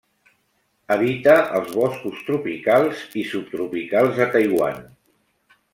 Habita els boscos tropicals i subtropicals de Taiwan.